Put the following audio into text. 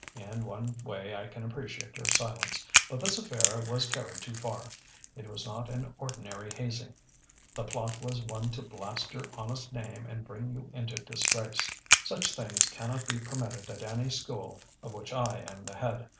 In one way I can appreciate your silence. But this affair was carried too far. It was not an ordinary hazing. The plot was one to blast your honest name and bring you into disgrace. Such things cannot be permitted at any school of which I am the head.